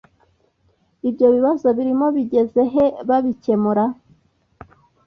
ibyo bibazo birimo bigeze he babikemura